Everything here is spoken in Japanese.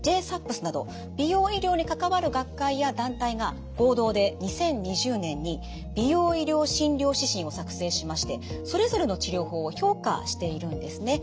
ＪＳＡＰＳなど美容医療に関わる学会や団体が合同で２０２０年に美容医療診療指針を作成しましてそれぞれの治療法を評価しているんですね。